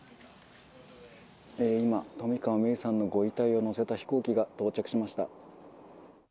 今、冨川芽生さんのご遺体を乗せた飛行機が到着しました。